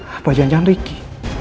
apa janjang ricky